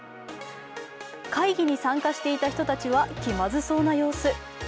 会議に参加していた人たちは気まずそうな様子。